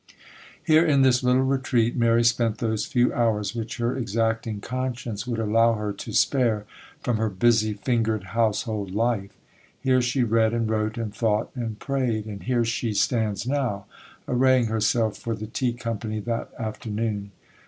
Here in this little retreat, Mary spent those few hours which her exacting conscience would allow her to spare from her busy fingered household life; here she read and wrote and thought and prayed;—and here she stands now, arraying herself for the tea company that afternoon.